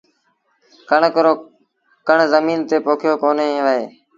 ڪڻڪ رو ڪڻ زميݩ تي پوکيو ڪونهي وهي